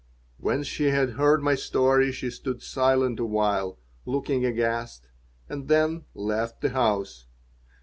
When she had heard my story she stood silent awhile, looking aghast, and then left the house.